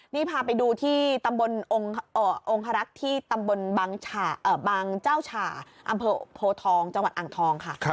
นี่พาไปดูที่ตำบลองคารักษ์ที่ตำบลบางเจ้าฉ่าอำเภอโพทองจังหวัดอ่างทองค่ะ